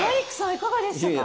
いかがでしたか？